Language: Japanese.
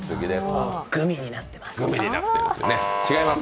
グミになってます。